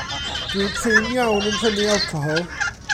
Dw i prin iawn yn prynu alcohol.